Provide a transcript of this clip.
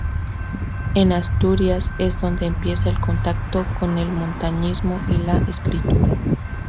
En Asturias es donde empieza el contacto con el montañismo y la escritura.